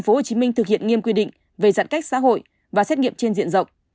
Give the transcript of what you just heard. tp hcm thực hiện nghiêm quy định về giãn cách xã hội và xét nghiệm trên diện rộng